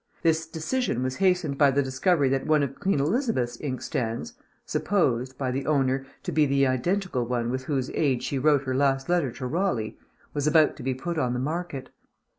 This decision was hastened by the discovery that one of Queen Elizabeth's inkstands supposed (by the owner) to be the identical one with whose aid she wrote her last letter to Raleigh was about to be put on the market.